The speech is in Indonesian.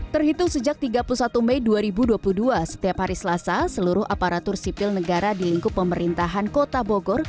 terhitung sejak tiga puluh satu mei dua ribu dua puluh dua setiap hari selasa seluruh aparatur sipil negara di lingkup pemerintahan kota bogor